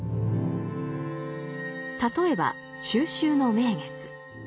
例えば中秋の名月。